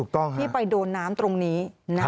ที่ไปโดนน้ำตรงนี้